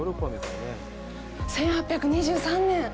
１８２３年。